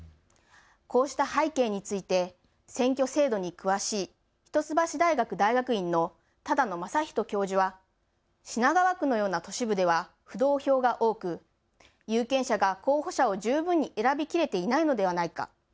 こうした背景について選挙制度に詳しい一橋大学大学院の只野雅人教授は品川区のような都市部では浮動票が多く有権者が候補者を十分に選びきれていないのではないか。